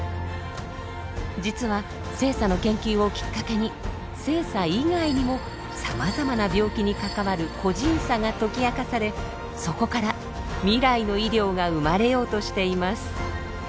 実は性差の研究をきっかけに性差以外にもさまざまな病気に関わる個人差が解き明かされそこから未来の医療が生まれようとしています。